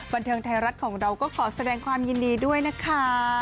บันเทิงไทยรัฐของเราก็ขอแสดงความยินดีด้วยนะคะ